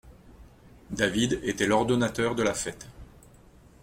David était l'ordonnateur de la fête.